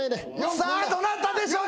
さあどなたでしょう？